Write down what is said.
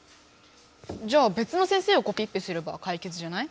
じゃあ別の先生をコピッペすれば解決じゃない？